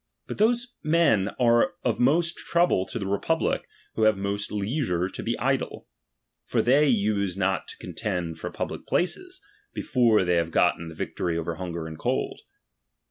But those l^^bnen are of most trouble to the republic, who have P~aiost leisure to be idle ; for they use not to con tend for public places, before they have gotten the victory over hunger and cold.